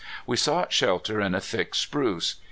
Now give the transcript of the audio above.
We sought shelter in a thick spruce.